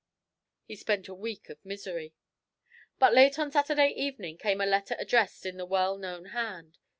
He spent a week of misery. But late on Saturday evening came a letter addressed in the well known hand.